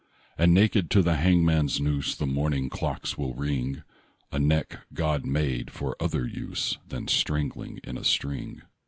And naked to the hangman's noose The morning clocks will ring A neck God made for other use Than strangling in a string.